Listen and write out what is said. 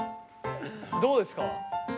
どうですか？